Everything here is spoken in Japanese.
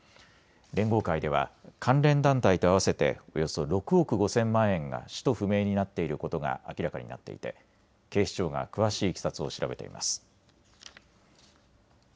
連合会では関連団体と合わせておよそ６億５０００万円が使途不明になっていることが明らかになっていて警視庁が詳しいいきさつを調べています。